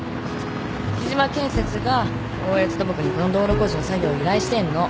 喜嶋建設が大悦土木にこの道路工事の作業依頼してんの。